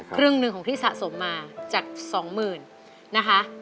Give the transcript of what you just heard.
ครึ่งหนึ่งของที่สะสมมาจาก๒หมื่นนะคะ